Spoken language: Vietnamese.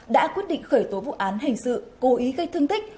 đã quyết định khởi tố vụ án hình sự cố ý gây thương tích